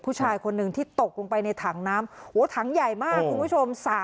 ผู้ชายคนหนึ่งที่ตกลงไปในถังน้ำถังใหญ่มากคุณผู้ชม